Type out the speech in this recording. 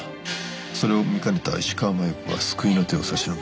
それを見かねた石川真悠子が救いの手を差し伸べ